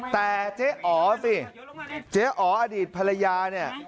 แต่เจ๊อ๋อสิเจ๊อ๋ออดีตภรรยาเนี่ย